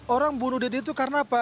orang bunuh diri itu karena apa